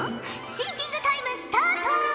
シンキングタイムスタート！